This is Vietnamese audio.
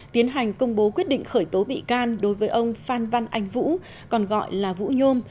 tiến hành công bố quyết định khởi tố bị can đối với ông phan văn anh vũ còn gọi là vũ nhôm